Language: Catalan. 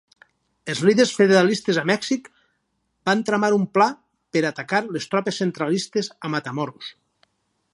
Els líders federalistes a Mèxic van tramar un pla per atacar les tropes centralistes a Matamoros.